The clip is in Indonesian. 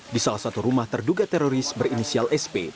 di salah satu rumah terduga teroris berinisial sp